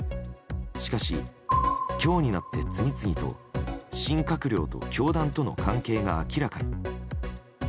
しかし、今日になって次々と新閣僚と教団との関係が明らかに。